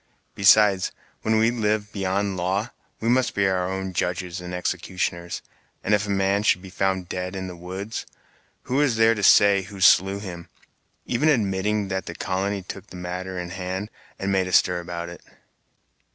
Besides, when we live beyond law, we must be our own judges and executioners. And if a man should be found dead in the woods, who is there to say who slew him, even admitting that the colony took the matter in hand and made a stir about it?"